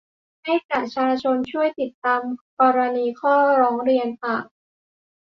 ให้ประชาชนช่วยติดตามกรณีข้อร้องเรียนต่าง